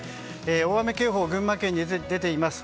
大雨警報、群馬県に出ています。